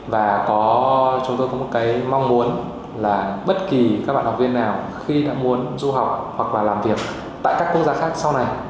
và chúng tôi có một cái mong muốn là bất kỳ các bạn học viên nào khi đã muốn du học hoặc là làm việc tại các quốc gia khác sau này